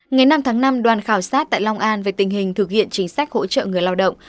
ngày năm tháng năm đoàn khảo sát tại long an về tình hình thực hiện chính sách hỗ trợ người lao động